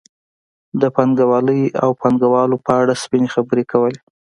د پانګوالۍ او پانګوالو په اړه سپینې خبرې کولې.